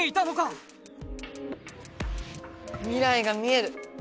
未来が見える！